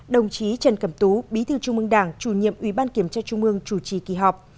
đồng chí trần cẩm tú bí thư trung mương đảng chủ nhiệm ủy ban kiểm tra trung ương chủ trì kỳ họp